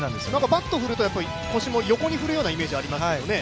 バット振ると、腰も横に振るようなイメージがありますよね。